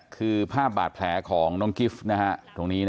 คือภาพบาดแผลของกิฟต์